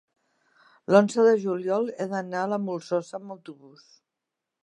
l'onze de juliol he d'anar a la Molsosa amb autobús.